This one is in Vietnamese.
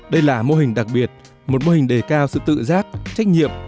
đây là mô hình đặc biệt một mô hình đề cao sự tự giác trách nhiệm